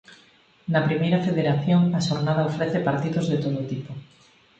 Na Primeira Federación, a xornada ofrece partidos de todo tipo.